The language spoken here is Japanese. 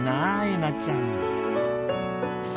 えなちゃん